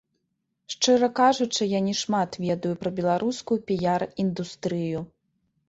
Шчыра кажучы, я няшмат ведаю пра беларускую піяр-індустрыю.